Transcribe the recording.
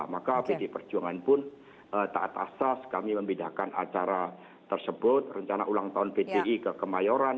maka pdi perjuangan pun taat asas kami membedakan acara tersebut rencana ulang tahun pti ke kemayoran